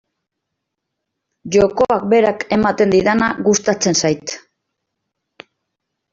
Jokoak berak ematen didana gustatzen zait.